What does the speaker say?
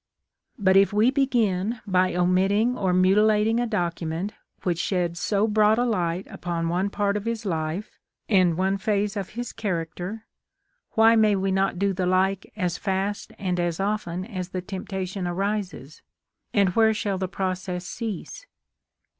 But if we begin by omitting or mutilating a document which sheds so broad a light upon one part of his life and one phase of his character, why may we not do the like as fast and as often as the temptation arises ? and where shall the process cease?